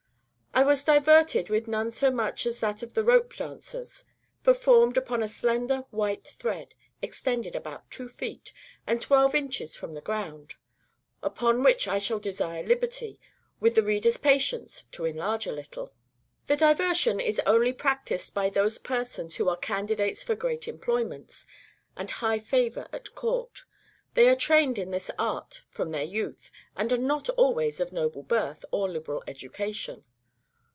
I was diverted with none so much as that of the rope dances, performed upon a slender white thread, extended about two feet, and twelve inches from the ground. Upon which I shall desire liberty, with the reader's patience, to enlarge a little. This diversion is only practised by those persons who are candidates for great employments, and high favor at court. They are trained in this art from their youth, and are not always of noble birth, or liberal education.